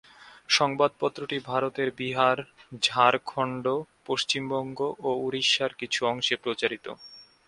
সংবাদপত্রটি ভারতের বিহার, ঝাড়খণ্ড, পশ্চিমবঙ্গ এবং উড়িষ্যার কিছু অংশে প্রচারিত।